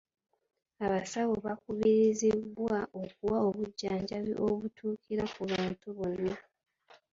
Abasawo bakubirizibwa okuwa obujjanjabi obutuukira ku bantu bonna.